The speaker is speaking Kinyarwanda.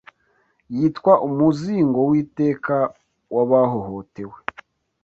Yitwa umuzingo w'iteka w'abahohotewe